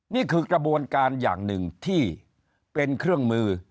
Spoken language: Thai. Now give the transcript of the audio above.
นี่คือกระบวนการอย่างหนึ่งที่เป็นเครื่องมือ